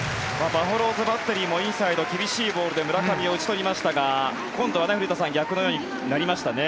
バファローズバッテリーもインサイド厳しいボールで村上を打ち取りましたが今度は古田さん逆のようになりましたね。